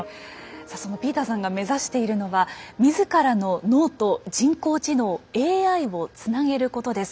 さあそのピーターさんが目指しているのは自らの脳と人工知能ＡＩをつなげることです。